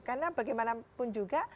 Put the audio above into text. karena bagaimanapun juga